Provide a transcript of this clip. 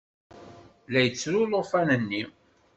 La yettru ulufan-nni.